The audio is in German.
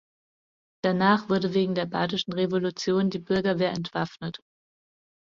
Danach wurde wegen der badischen Revolution die Bürgerwehr entwaffnet.